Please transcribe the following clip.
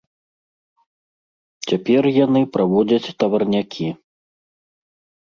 Цяпер яны праводзяць таварнякі.